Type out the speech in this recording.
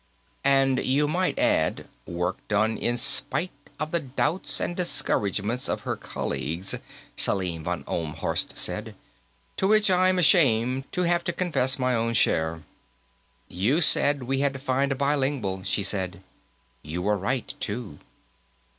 "And you might add, work done in spite of the doubts and discouragements of her colleagues," Selim von Ohlmhorst said. "To which I am ashamed to have to confess my own share." "You said we had to find a bilingual," she said. "You were right, too."